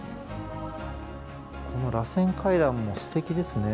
このらせん階段もすてきですね。